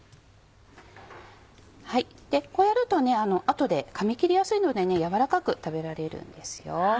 こうやると後でかみ切りやすいので軟らかく食べられるんですよ。